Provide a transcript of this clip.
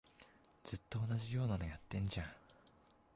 ずっと同じようなのやってんじゃん